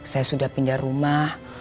saya sudah pindah rumah